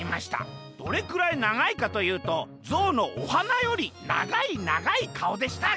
どれくらいながいかというとぞうのおはなよりながいながいかおでした」。